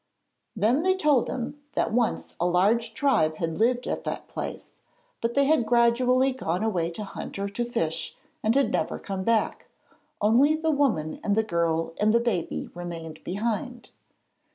Then they told him that once a large tribe had lived at that place, but they had gradually gone away to hunt or to fish and had never come back. Only the woman and the girl and the baby remained behind.